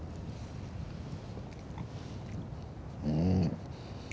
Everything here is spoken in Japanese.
うん。